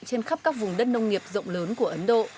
trên khắp các vùng đất nông nghiệp rộng lớn của ấn độ